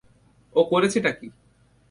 ও করছেটা কী?